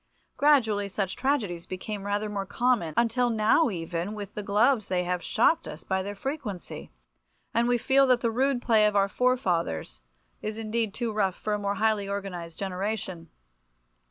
Gradually such tragedies became rather more common, until now even with the gloves they have shocked us by their frequency, and we feel that the rude play of our forefathers is indeed too rough for a more highly organized generation.